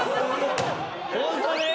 ホントに！？